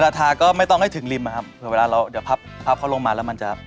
ทาก็ไม่ต้องให้ถึงริมนะครับเผื่อเวลาเราเดี๋ยวพับเขาลงมาแล้วมันจะ